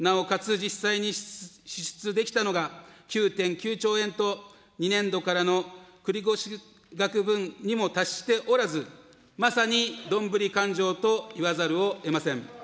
実際に支出できたのが９．９兆円と、２年度からの繰越額分にも達しておらず、まさにどんぶり勘定と言わざるをえません。